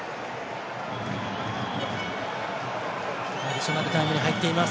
アディショナルタイムに入っています。